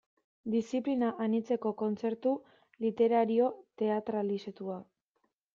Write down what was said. Diziplina anitzeko kontzertu literario teatralizatua.